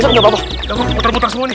ustaz enggak apa apa muter muter semua nih